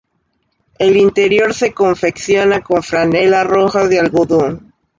El interior se confecciona con franela roja de algodón.